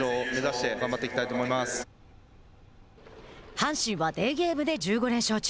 阪神はデーゲームで１５連勝中。